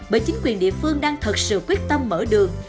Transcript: bởi chính quyền địa phương đang thật sự quyết tâm mở đường